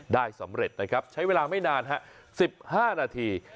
ได้สำเร็จนะครับใช้เวลาไม่นาน๑๕นาที